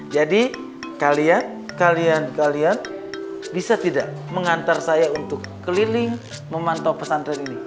jadi kalian kalian kalian bisa tidak mengantar saya untuk keliling memantau pesan terdiri